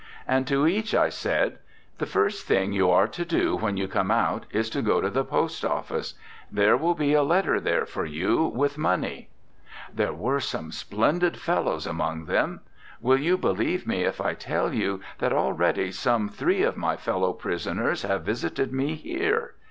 And to each I said: The first thing you are to do when you come out is to go to the post office; there will be a letter there for you with money. ... There were some splendid fellows among them. Will you believe me if I tell you that already some three of my fellow prisoners have visited me here?